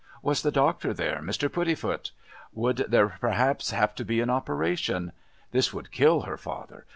Was the doctor there, Mr. Puddifoot? Would there perhaps have to be an operation? This would kill her father.